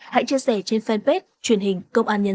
hãy chia sẻ trên fanpage truyền hình công an nhân dân